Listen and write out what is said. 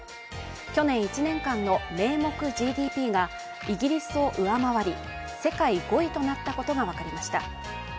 去年１年間の名目ＧＤＰがイギリスを上回り世界５位となったことが分かりました。